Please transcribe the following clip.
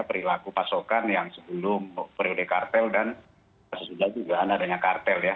perilaku pasokan yang sebelum periode kartel dan sesudah dugaan adanya kartel ya